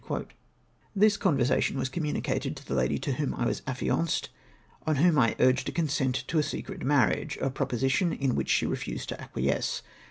UNFORESEEN DIFFICULTIES. 271 This conversation was communicated to the lady to whom I was affianced, on whom I urged a consent to a secret marriage, — a proposition in which she re fused to acquiesce.